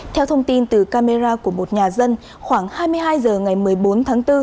theo thông tin từ camera của một nhà dân khoảng hai mươi hai h ngày một mươi bốn tháng bốn